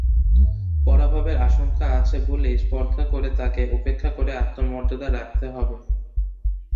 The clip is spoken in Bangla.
পরাভবের আশঙ্কা আছে বলেই স্পর্ধা করে তাকে উপেক্ষা করে আত্মমর্যাদা রাখতে হবে।